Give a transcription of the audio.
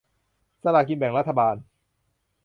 สลากกินแบ่งรัฐบาล